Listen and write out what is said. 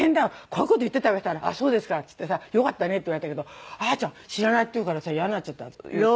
こういう事言ってたよ」って言ったら「ああそうですか」っつってさ「よかったね」って言われたけどあーちゃん知らないっていうからさイヤになっちゃった私。